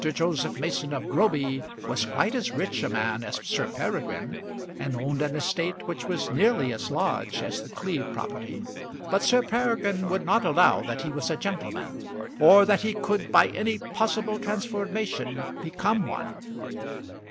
Joseph Mason of Groby was quite as rich a man as Sir Peregrine, and owned an estate which was nearly as large as The Cleeve property; but Sir Peregrine would not allow that he was a gentleman, or that he could by any possible transformation become one.